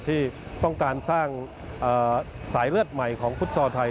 ที่ต้องการสร้างสายเลือดใหม่ของฟุตซอลไทย